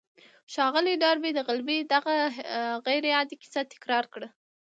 ښاغلي ډاربي د غلبې دغه غير عادي کيسه تکرار کړه.